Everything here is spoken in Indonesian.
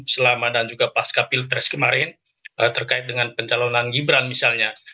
selama dan juga pasca pilpres kemarin terkait dengan pencalonan gibran misalnya